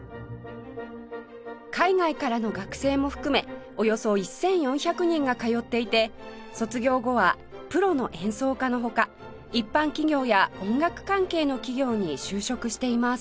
海外からの学生も含めおよそ１４００人が通っていて卒業後はプロの演奏家の他一般企業や音楽関係の企業に就職しています